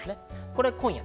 これ、今夜。